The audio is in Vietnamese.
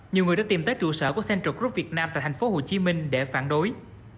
nhiều người đã tìm tới trụ sở của central group việt nam tại thành phố hồ chí minh để phản đối